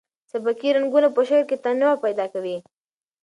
سبکي رنګونه په شعر کې تنوع پیدا کوي.